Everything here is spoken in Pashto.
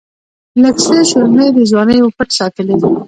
لږڅه شورمي د ځواني وًپټ ساتلی